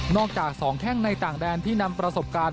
จาก๒แข้งในต่างแดนที่นำประสบการณ์